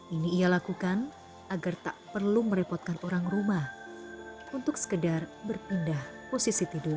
ini ia lakukan agar tak perlu merepotkan orang rumah untuk sekedar berpindah posisi tidur